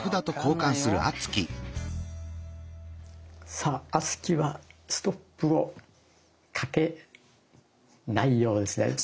さあ敦貴はストップをかけないようですね。